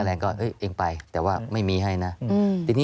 เพราะว่ารายเงินแจ้งไปแล้วเพราะว่านายจ้างครับผมอยากจะกลับบ้านต้องรอค่าเรนอย่างนี้